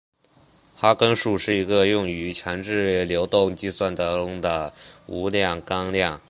哈根数是一个用于强制流动计算中的无量纲量。